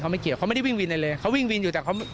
ไม่เกี่ยวเขาไม่ได้วิ่งวินอะไรเลยเขาวิ่งวินอยู่แต่เขา